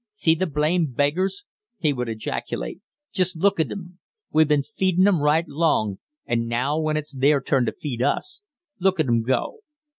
"See the blamed beggars!" he would ejaculate. "Just look at 'em! We've been feedin' 'em right long, and now when it's their turn to feed us, look at 'em go!"